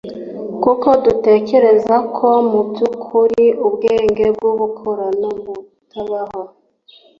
kuko dutekereza ko mu by’ukuri ubwenge bw’ubukorano butabaho